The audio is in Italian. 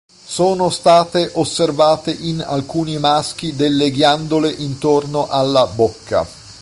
Sono state osservate in alcuni maschi delle ghiandole intorno alla bocca.